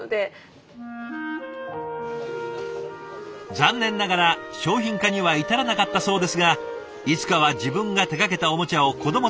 残念ながら商品化には至らなかったそうですがいつかは自分が手がけたおもちゃを子どもたちに届けたい。